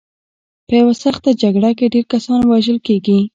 په یوه سخته جګړه کې ډېر کسان وژل کېږي.